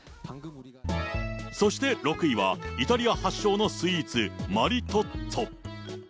そして６位は、イタリア発祥のスイーツ、マリトッツォ。